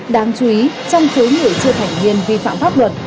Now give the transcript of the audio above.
đáng chú ý trong số người chưa thành niên vi phạm pháp luật